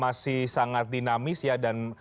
masih sangat dinamis ya dan